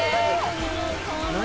何？